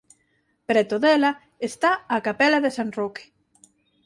Preto dela está a capela de San Roque.